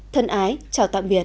thân ái chào tạm biệt